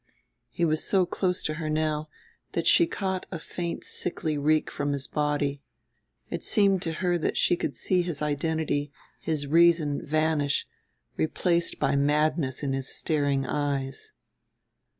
'" He was so close to her now that she caught a faint sickly reek from his body. It seemed to her that she could see his identity, his reason, vanish, replaced by madness in his staring eyes.